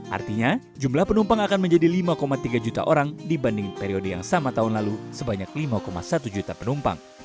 artinya jumlah penumpang akan menjadi lima tiga juta orang dibanding periode yang sama tahun lalu sebanyak lima satu juta penumpang